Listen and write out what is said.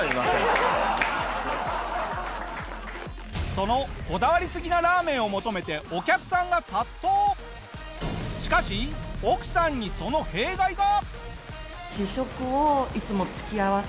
そのこだわりすぎなラーメンを求めてしかし奥さんにその弊害が！